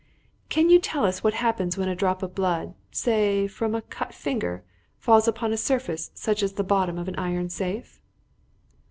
"Can you tell us what happens when a drop of blood say from a cut finger falls upon a surface such as the bottom of an iron safe?"